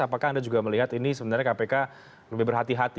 apakah anda juga melihat ini sebenarnya kpk lebih berhati hati